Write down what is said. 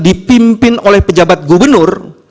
dipimpin oleh pejabat gubernur